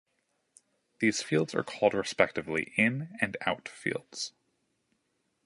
These fields are called respectively "in" and "out" fields.